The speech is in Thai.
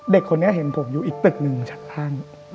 เด็กคนนี้เห็นผมอยู่อีกตึกหนึ่งชั้น